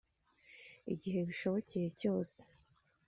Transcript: igihe binshobokeye cyose